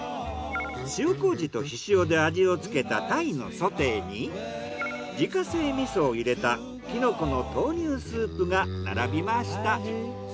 塩麹と醤で味をつけたタイのソテーに自家製味噌を入れたキノコの豆乳スープが並びました。